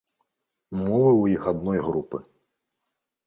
Мовы ў іх адной групы.